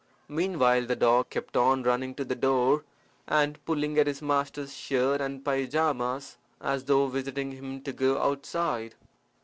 Meanwhile the dog kept on running to the door, and pulling at his master's shirt and paijamas, as though wishing him to go outside.